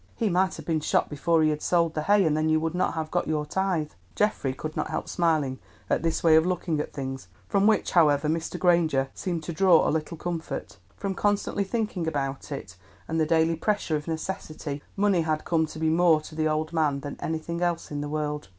"He might have been shot before he had sold the hay, and then you would not have got your tithe." Geoffrey could not help smiling at this way of looking at things, from which, however, Mr. Granger seemed to draw a little comfort. From constantly thinking about it, and the daily pressure of necessity, money had come to be more to the old man than anything else in the world.